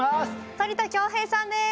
反田恭平さんです